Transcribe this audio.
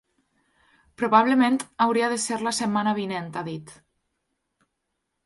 Probablement hauria de ser la setmana vinent, ha dit.